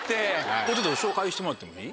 これちょっと紹介してもらってもいい？